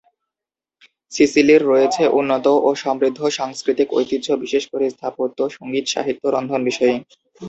সিসিলির রয়েছে উন্নত ও সমৃদ্ধ সাংস্কৃতিক ঐতিহ্য বিশেষকরে স্থাপত্য, সঙ্গীত, সাহিত্য, রন্ধন বিষয়ে।